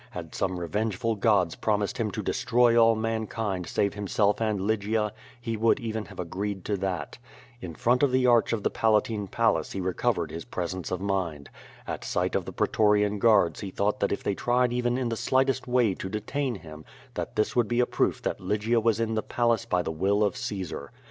Had some revengeful gods promised him to destroy all mankind save himself and Lygia, he would even have agreed to that. In front of the arch of the Palatine Palace he recovered his pres ence of mind. At sight of the pretorian guards he thought that if they tried even in the slightest way to detain him that this would be a proof that Lygia was in the palace by the will I <o QUO VADIS. 93 of Caesar.